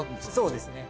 そうですね。